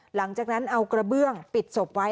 หลังจากนั้นเอากระเบื้องปิดศพไว้